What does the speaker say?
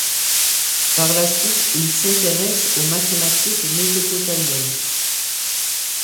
Par la suite, il s'intéresse aux mathématiques mésopotamiennes.